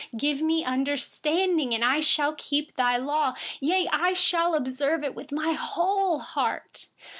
34Give me understanding, and I will keep your law. Yes, I will obey it with my whole heart.